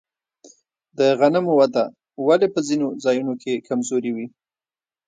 د غنمو وده ولې په ځینو ځایونو کې کمزورې وي؟